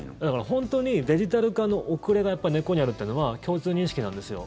本当にデジタル化の遅れが根っこにあるというのは共通認識なんですよ。